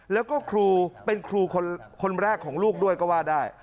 แล้วก็ครูเป็นครูคนแรกของลูกด้วยก็ว่าได้